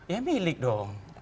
ya milik dong